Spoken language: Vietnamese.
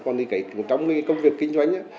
còn trong công việc kinh doanh